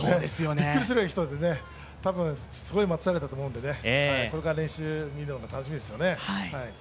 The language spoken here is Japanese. びっくりするぐらいの人で、たぶん、すごい待たされたと思うので、これから練習見るのも楽しみですよね。